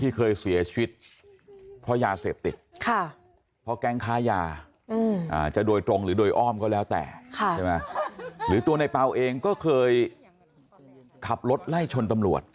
เคยเสียชีวิตเพราะยาเสพติดเพราะแก๊งค้ายาจะโดยตรงหรือโดยอ้อมก็แล้วแต่ใช่ไหมหรือตัวในเปล่าเองก็เคยขับรถไล่ชนตำรวจ